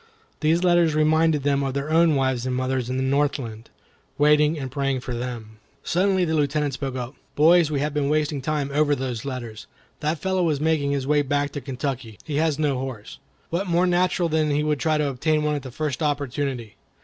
These letters reminded them of their own wives and mothers in the Northland, waiting and praying for them. Suddenly the Lieutenant spoke up: "Boys, we have been wasting time over those letters. That fellow was making his way back to Kentucky. He has no horse. What more natural than that he would try and obtain one at the first opportunity?